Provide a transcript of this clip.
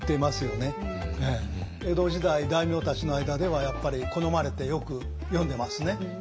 江戸時代大名たちの間ではやっぱり好まれてよく読んでますね。